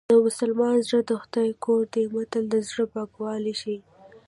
د مسلمان زړه د خدای کور دی متل د زړه پاکوالی ښيي